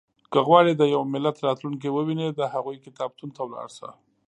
• که غواړې د یو ملت راتلونکی ووینې، د هغوی کتابتون ته لاړ شه.